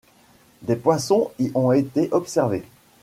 Des poissons y ont été observés.